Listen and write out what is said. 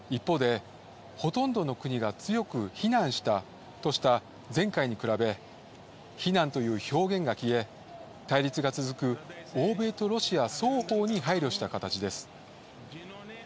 一方で、ほとんどの国が強く非難したとした前回に比べ、非難という表現が消え、対立が続く欧米とロシア双方に配慮した形です。